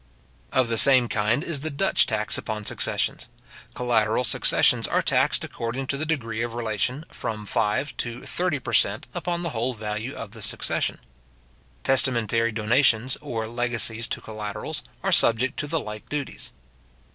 Of the same kind is the Dutch tax upon successions. {See Memoires concernant les Droits, etc. tom i, p. 225.} Collateral successions are taxed according to the degree of relation, from five to thirty per cent. upon the whole value of the succession. Testamentary donations, or legacies to collaterals, are subject to the like duties.